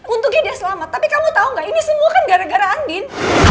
untungnya dia selamat tapi kamu tahu nggak ini semua kan gara gara andin